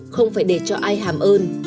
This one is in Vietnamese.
không phải để cho ai hàm ơn